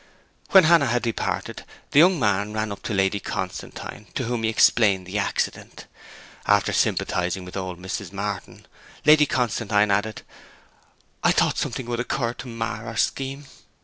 When Hannah had departed the young man ran up to Lady Constantine, to whom he explained the accident. After sympathizing with old Mrs. Martin Lady Constantine added, 'I thought something would occur to mar our scheme!'